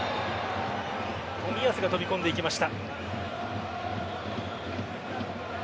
冨安が飛び込んでいきました。